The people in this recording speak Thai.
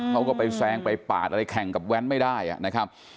เค้าก็ไปแซงไปปากอะไรแข่งกับแว๊นไม่ได้อ่ะ